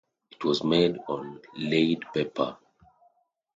It was made on laid paper.